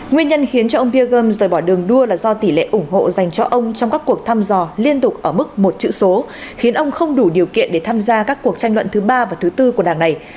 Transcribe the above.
nguyên nhân khiến cho ông peergum rời bỏ đường đua là do tỷ lệ ủng hộ dành cho ông trong các cuộc thăm dò liên tục ở mức một chữ số khiến ông không đủ điều kiện để tham gia các cuộc tranh luận thứ ba và thứ tư của đảng này